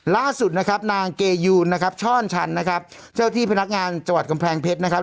ล่าสุดนะครับนางเกยูนนะครับช่อนชันนะครับเจ้าที่พนักงานจังหวัดกำแพงเพชรนะครับ